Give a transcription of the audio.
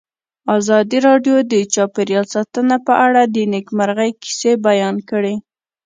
ازادي راډیو د چاپیریال ساتنه په اړه د نېکمرغۍ کیسې بیان کړې.